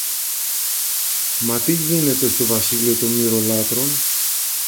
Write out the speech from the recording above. Μα τι γίνεται στο βασίλειο των Μοιρολάτρων;